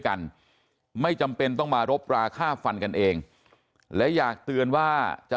กันไม่จำเป็นต้องมารบราค่าฟันกันเองและอยากเตือนว่าจะ